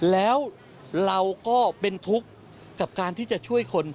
แล้วเราก็เป็นทุกข์กับการที่จะช่วยคน